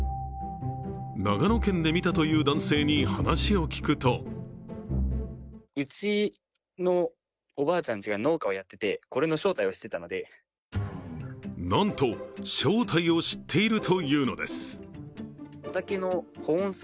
長野県で見たという男性に話を聞くとなんと、正体を知っているというのです。